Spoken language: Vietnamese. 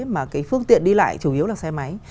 mà cái phương tiện đi lại chủ yếu là xe máy